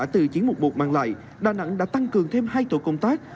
từ chiến mục một mang lại đà nẵng đã tăng cường thêm hai tổ công tác